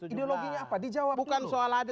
ideologinya apa dijawab dulu